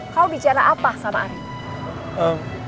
kau bicara apa sama arief